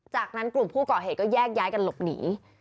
จากนั้นกลุ่มผู้ก่อเหตุก็แยกย้ายกันหลบหนี